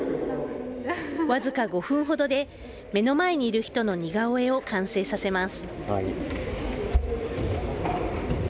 僅か５分ほどで、目の前にいる人の似顔絵を完成させます。